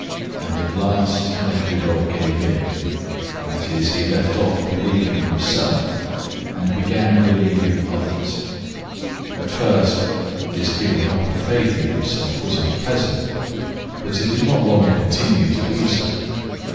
And at last Nekhludoff gave in, i.e., left off believing himself and began believing others. At first this giving up of faith in himself was unpleasant, but it did not long continue to be so.